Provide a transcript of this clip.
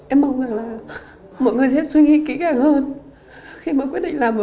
em mong là sau này sẽ không có một người nào